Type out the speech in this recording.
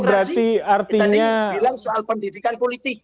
dalam konteks demokrasi kita bilang soal pendidikan politik